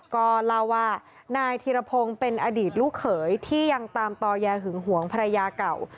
ก็เล่าว่านายธีรพงศ์เป็นอดีตลูกเขยที่ยังตามต่อยาหึงหวงภรรยาเก่า